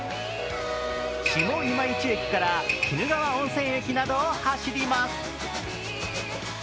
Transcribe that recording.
下今市駅から鬼怒川温泉駅などを走ります。